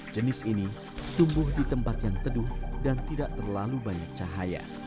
jenis ini tumbuh di tempat yang teduh dan tidak terlalu banyak cahaya